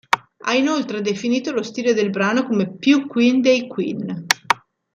Ha inoltre definito lo stile del brano come "più Queen dei Queen".